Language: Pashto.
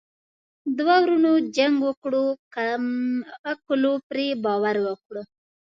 دوه ورونو جنګ وکړو کم عقلو پري باور وکړو.